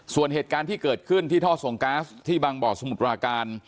ส่วนเหตุการณ์ที่เกิดขึ้นที่ท่อส่งก๊าซที่บางบ่อสมุทรปราการ